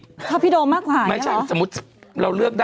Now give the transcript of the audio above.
ชอบพี่โดมมากกว่าเนี่ยหรอไม่ใช่สมมุติเราเลือกได้อ่ะ